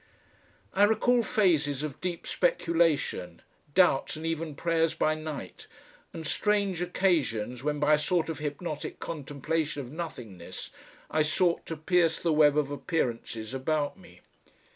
I recall phases of deep speculation, doubts and even prayers by night, and strange occasions when by a sort of hypnotic contemplation of nothingness I sought to pierce the web of appearances about me.